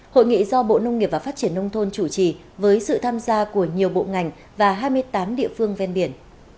hội nghị do bộ nông nghiệp và phát triển nông thôn chủ trì với sự tham gia của nhiều bộ ngành và hai mươi tám địa phương ven biển